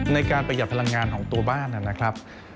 ในการประหยัดพลังงานของตัวบ้านนะครับ